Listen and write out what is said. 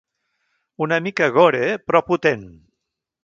Una mica gore, però potent.